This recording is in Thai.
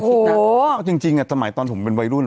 เพราะจริงสมัยตอนผมเป็นวัยรุ่น